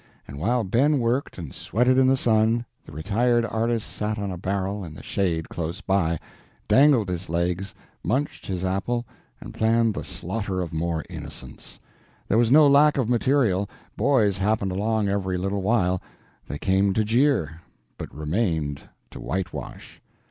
And while Ben worked and sweated in the sun, the retired artist sat on a barrel in the shade close by, dangled his legs, munched his apple, and planned the slaughter of more innocents. There was no lack of material; boys happened along every little while; they came to jeer, but remained to whitewash.